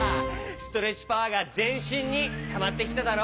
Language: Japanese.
ストレッチパワーがぜんしんにたまってきただろ？